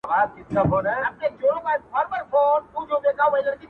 دعا ، دعا ،دعا ، دعا كومه.